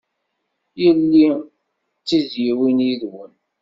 Yelli d tizzyiwin yid-wen.